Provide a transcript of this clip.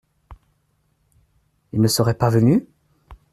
Ils ne seraient pas venus ?